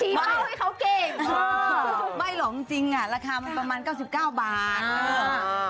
ชี้เบ้าให้เขาเก่งไม่เหรอจริงอ่ะราคามันประมาณ๙๙บาท